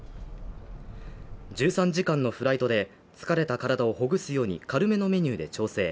１３時間のフライトで疲れた体をほぐすように軽めのメニューで調整。